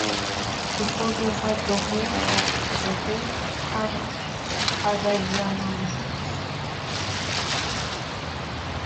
Tu pozê xwe dixî her qada jiyana min.